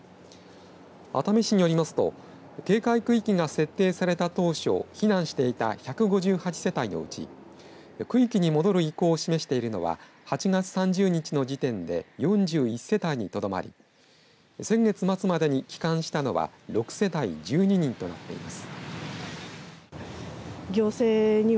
熱海市によりますと警戒区域が設定された当初避難していた１５８世帯のうち区域に戻る意向を示しているのは８月３０日の時点で４１世帯にとどまり先月末までに帰還したのは６世帯１２人となっています。